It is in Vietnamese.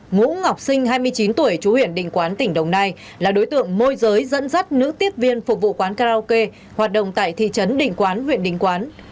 ngũ ngọc sinh hai mươi chín tuổi chú huyện đình quán tỉnh đồng nai là đối tượng môi giới dẫn dắt nữ tiếp viên phục vụ quán karaoke hoạt động tại thị trấn đình quán huyện đình quán